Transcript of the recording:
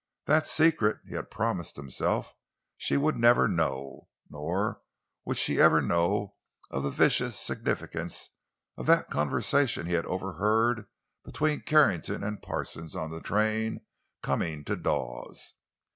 That secret, he had promised himself, she would never know; nor would she ever know of the vicious significance of that conversation he had overheard between Carrington and Parsons on the train coming to Dawes.